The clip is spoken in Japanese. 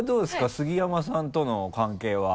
杉山さんとの関係は。